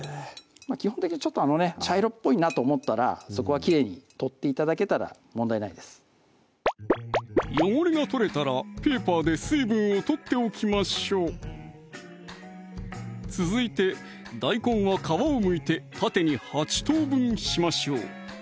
基本的にちょっとあのね茶色っぽいなと思ったらそこはきれいに取って頂けたら問題ないです汚れが取れたらペーパーで水分を取っておきましょう続いて大根は皮をむいて縦に８等分しましょう